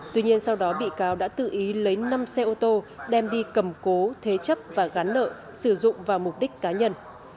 tuy nhiên sau đó bị cáo đã tự ý lấy năm xe ô tô đem đi cầm cố thế chấp và gắn nợ sử dụng vào mục đích cá nhân